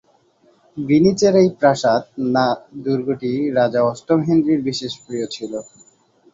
গ্রিনিচের এই প্রাসাদ না দুর্গটি রাজা অষ্টম হেনরির বিশেষ প্রিয় ছিলো।